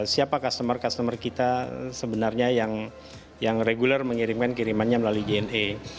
siapa customer customer kita sebenarnya yang reguler mengirimkan kirimannya melalui jna